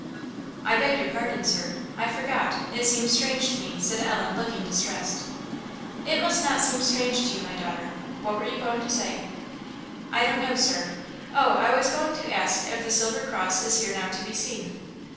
"I beg your pardon, Sir; I forgot: it seems strange to me," said Ellen, looking distressed. "It must not seem strange to you, my daughter; what were you going to say?" "I don't know, Sir; Oh, I was going to ask if the silver cross is here now to be seen?"